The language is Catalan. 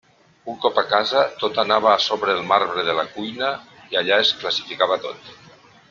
Un cop a casa, tot anava a sobre el marbre de la cuina, i allà es classificava tot.